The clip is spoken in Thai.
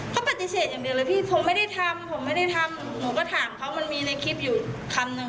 เขาปฏิเสธอย่างเดียวเลยพี่ผมไม่ได้ทำผมไม่ได้ทำหนูก็ถามเขามันมีในคลิปอยู่คำนึง